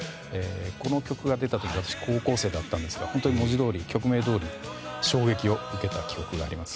この曲が出た時私は高校生だったんですが本当に曲名どおり衝撃を受けた記憶があります。